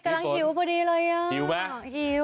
กำลังหิวพอดีเลยยังหิวไหมหิว